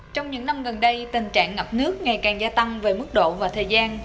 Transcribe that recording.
trong những năm gần đây tình trạng ngập nước ngày càng gia tăng về mức độ và thời gian